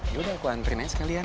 yaudah aku nganterin aja sekalian